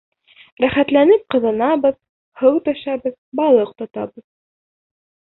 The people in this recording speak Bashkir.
Рәхәтләнеп ҡыҙынабыҙ, һыу төшәбеҙ, балыҡ тотабыҙ.